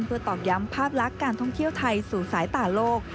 เพื่อตอกย้ำภาพลักษณ์การท่องเที่ยวไทยสู่สายตาโลก